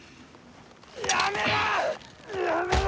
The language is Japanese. やめろ！